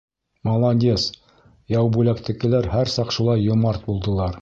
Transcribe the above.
— Молодец, Яубүләктекеләр һәр саҡ шулай йомарт булдылар.